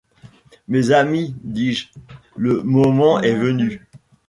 Mes amis, dis-je, le moment est venu.